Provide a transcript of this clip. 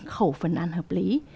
khẩu phần ăn hợp lý